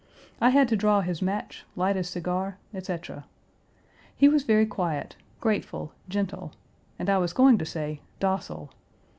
I had to draw his match, light his cigar, etc. He was very quiet, grateful, gentle, and, I was going to say, docile.